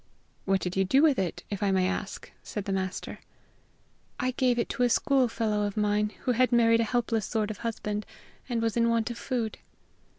"What did you do with it, if I may ask?" said the master. "I gave it to a school fellow of mine who had married a helpless sort of husband and was in want of food."